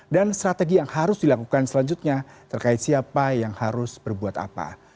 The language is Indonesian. dan strategi yang harus dilakukan selanjutnya terkait siapa yang harus berbuat apa